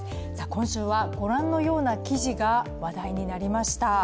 今週はご覧のような記事が話題になりました。